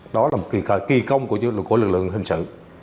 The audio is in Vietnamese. đó là một kỳ công của lực lượng hình sự